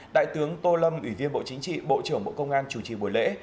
đại tướng tô lâm ủy viên bộ chính trị bộ trưởng bộ công an chủ trì buổi lễ